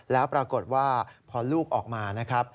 แล้วปรากฏว่าพอลูกออกมา